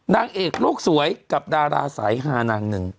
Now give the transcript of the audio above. นางเอกโลกสวยกับดาราสายฮานางหนึ่ง